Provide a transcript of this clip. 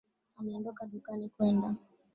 ameondoka dukani kwenda